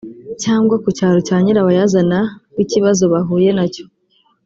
cyangwa ku cyicaro cya Nyirabayazana w’ikibazo bahuye nacyo